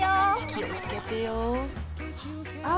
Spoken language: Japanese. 気をつけてよああ